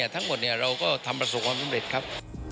ทั้งหมดเราก็ทำประสบความสำเร็จครับ